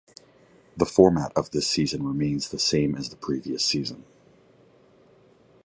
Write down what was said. The format of this season remains the same as the previous season.